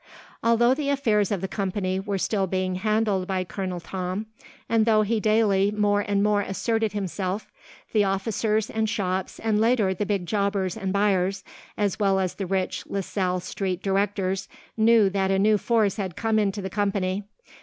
Although the affairs of the company were still being handled by Colonel Tom, and though he daily more and more asserted himself, the officers and shops, and later the big jobbers and buyers as well as the rich LaSalle Street directors, knew that a new force had come into the company.